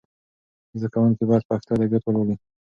زده کونکي باید پښتو ادبیات ولولي.